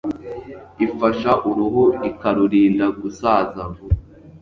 ifasha uruhu, ikarurinda gusaza vuba.